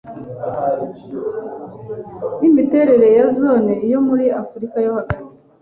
yimiterere ya zone yo muri Afrika yo hagati